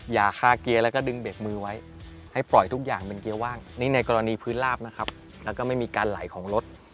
อย่าคาเกียร์แล้วก็ดึงเบรกมือไว้ให้ปล่อยทุกอย่างเป็นเกียร์ว่างนี่ในกรณีพื้นลาบนะครับแล้วก็ไม่มีการไหลของรถ